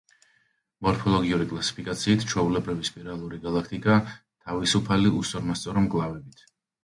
მორფოლოგიური კლასიფიკაციით, ჩვეულებრივი სპირალური გალაქტიკაა თავისუფალი, უსწორმასწორო მკლავებით.